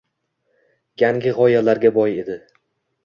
Yangi g‘oyalarga boy edi.